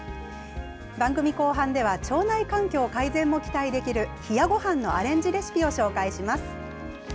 番組後半では、腸内環境改善も期待できる冷やごはんのアレンジレシピを紹介します。